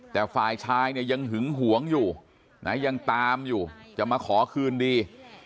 แต่ฝ่ายชายเนี่ยยังหึงหวงอยู่นะยังตามอยู่จะมาขอคืนดี